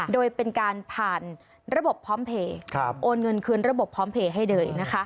โดยเป็นการผ่านระบบพร้อมเพลย์โอนเงินคืนระบบพร้อมเพลย์ให้เลยนะคะ